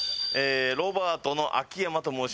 ロバートの秋山と申します。